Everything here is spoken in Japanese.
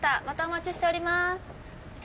またお待ちしております。